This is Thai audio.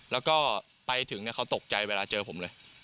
แล้วก็ไปถึงเขาตกใจเวลาเจอผมเลย